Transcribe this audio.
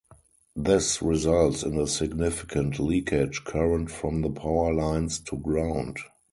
This results in a significant leakage current from the power lines to ground.